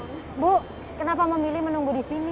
ibu kenapa memilih menunggu di sini